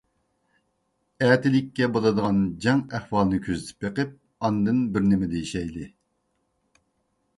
ئەتىلىككە بولىدىغان جەڭ ئەھۋالىنى كۆزىتىپ بېقىپ ئاندىن بىرنېمە دېيىشەيلى.